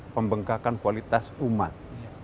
pembengkakan kualitas umat